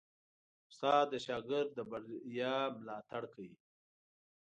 استاد د شاګرد د بریا ملاتړ کوي.